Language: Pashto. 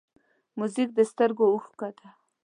موزیک د سترګو اوښکه ده.